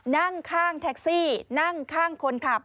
นั่งข้างแท็กซี่นั่งข้างคนขับ